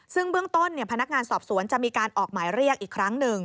ซึ่งเบื้องต้นพนักงานสอบสวนจะมีการออกหมายเรียกอีกครั้งหนึ่ง